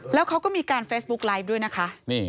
แล้วเขาก็มีการเฟซบุ๊กไลฟ์ด้วยนะคะ